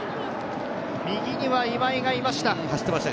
右には今井がいました。